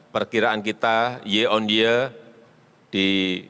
perkiraan kita year on year di dua ribu dua puluh dua